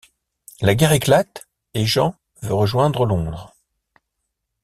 La guerre éclate, et Jean veut rejoindre Londres.